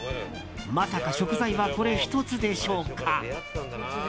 まさか食材はこれ１つでしょうか。